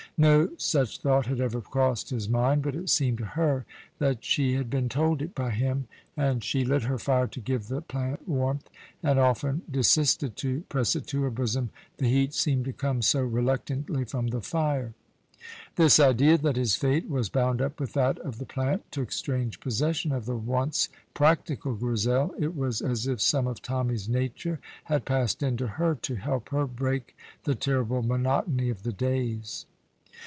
No such thought had ever crossed his mind, but it seemed to her that she had been told it by him, and she lit her fire to give the plant warmth, and often desisted, to press it to her bosom, the heat seemed to come so reluctantly from the fire. This idea that his fate was bound up with that of the plant took strange possession of the once practical Grizel; it was as if some of Tommy's nature had passed into her to help her break the terrible monotony of the days.